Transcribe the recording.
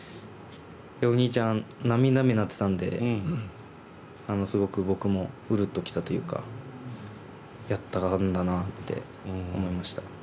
お兄ちゃん涙目になっていたのですごく僕もうるっと来たというかやったんだなと思いました。